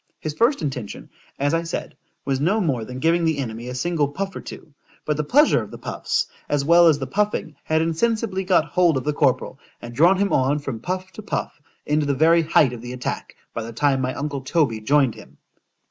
His first intention, as I said, was no more than giving the enemy a single puff or two;—but the pleasure of the puffs, as well as the puffing, had insensibly got hold of the corporal, and drawn him on from puff to puff, into the very height of the attack, by the time my uncle Toby joined him.